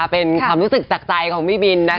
เป็นความรู้สึกจากใจของพี่บิน